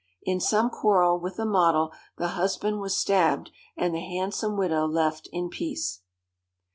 In some quarrel with a model the husband was stabbed, and the handsome widow left in peace.